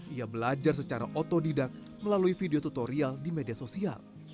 ia belajar secara otodidak melalui video tutorial di media sosial